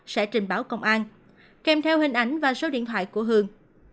sẽ trình báo công an kèm theo hình ảnh và số điện thoại của hường